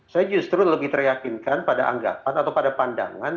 saya justru lebih teryakinkan pada anggapan atau pada pandangan